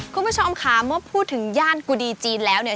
คุณผู้ชมค่ะเมื่อพูดถึงย่านกุดีจีนแล้วเนี่ย